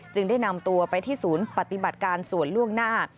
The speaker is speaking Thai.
ได้นำตัวไปที่ศูนย์ปฏิบัติการส่วนล่วงหน้า